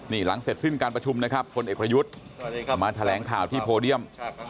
นี่หลังเสร็จสิ้นการประชุมนะครับพลเอกประยุทธ์มาแถลงข่าวที่โพเดียม